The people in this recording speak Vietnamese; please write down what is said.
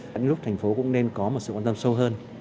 cả nước thành phố cũng nên có một sự quan tâm sâu hơn